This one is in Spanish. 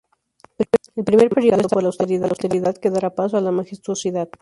El primer periodo está marcado por la austeridad que dará paso a la majestuosidad.